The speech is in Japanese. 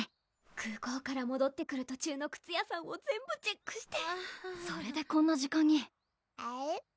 空港からもどってくる途中の靴屋さんを全部チェックしてそれでこんな時間にえる？